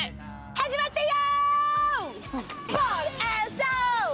始まったよ！